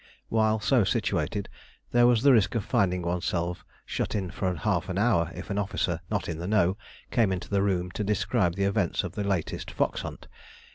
While so situated there was the risk of finding oneself shut in for half an hour if an officer not in the know came into the room to describe the events of the latest fox hunt.